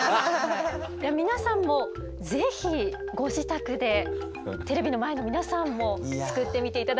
皆さんもぜひご自宅でテレビの前の皆さんも作ってみて頂きたいと思います。